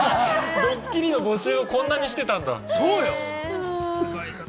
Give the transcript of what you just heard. ドッキリの募集をこんなふうにしてたんだ。